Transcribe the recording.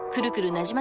なじま